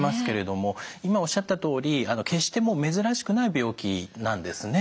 今おっしゃったとおり決してもう珍しくない病気なんですね。